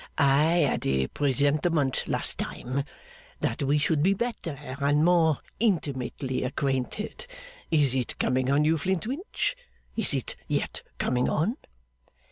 'I had a presentiment, last time, that we should be better and more intimately acquainted. Is it coming on you, Flintwinch? Is it yet coming on?